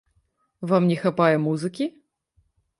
Вам не хапае музыкі?